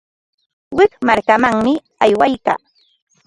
Wik markamanmi aywaykaa.